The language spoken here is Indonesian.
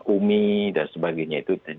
umi dan sebagainya itu